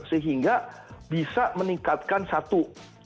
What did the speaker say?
sehingga bisa meningkatkan satu